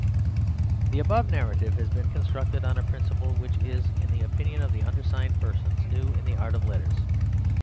"The above narrative has been constructed on a principle which is, in the opinion of the undersigned persons, new in the art of letters.